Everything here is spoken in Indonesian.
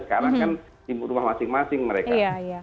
sekarang kan ibu rumah masing masing mereka